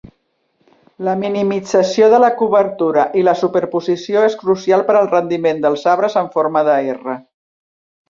La minimització de la cobertura i la superposició és crucial per al rendiment dels arbres en forma de R.